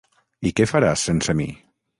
I què faràs sense mi?